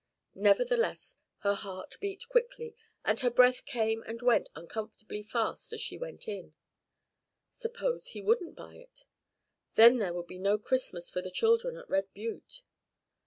Nevertheless her heart beat quickly, and her breath came and went uncomfortably fast as she went in. Suppose he wouldn't buy it. Then there would be no Christmas for the children at Red Butte.